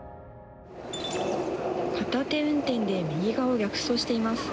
片手運転で右側を逆走しています。